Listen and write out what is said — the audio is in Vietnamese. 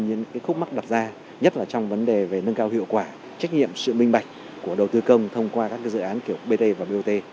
những khúc mắt đặt ra nhất là trong vấn đề về nâng cao hiệu quả trách nhiệm sự minh bạch của đầu tư công thông qua các dự án kiểu bt và bot